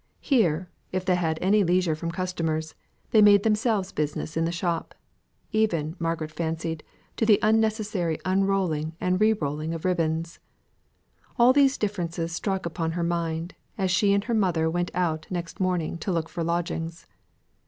Here, if they had any leisure from customers, they made themselves business in the shop even, Margaret fancied, to the unnecessary unrolling and re rolling of ribbons. All these differences struck upon her mind, as she and her mother went out next morning to look for lodgings.